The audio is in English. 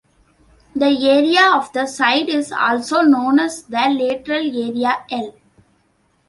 The area of the side is also known as the lateral area, "L".